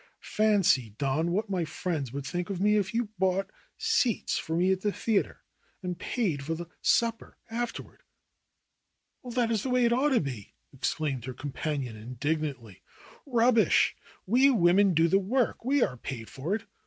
Fancy, Don, what my friends would think of me if you bought seats for me at the theater and paid for the supper afterward !" ^'Well, that is the way it ought to be !" exclaimed her companion indignantly. ^^Rubbish ! We women do the work, we are paid for it.